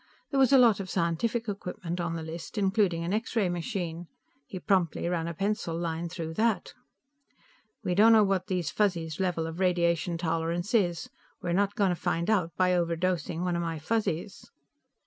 There was a lot of scientific equipment on the list, including an X ray machine. He promptly ran a pencil line through that. "We don't know what these Fuzzies' level of radiation tolerance is. We're not going to find out by overdosing one of my Fuzzies."